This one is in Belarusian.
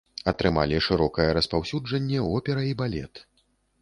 Атрымалі шырокае распаўсюджанне опера і балет.